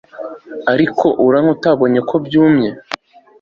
Ariko aranywa atabonye ko byumye